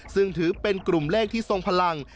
ซึ่งถือเป็นกลุ่มเลขที่ทรงพลัง